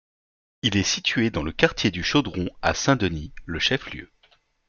Il est situé dans le quartier du Chaudron à Saint-Denis, le chef-lieu.